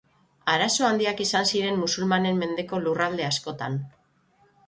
Arazo handiak izan ziren musulmanen mendeko lurralde askotan.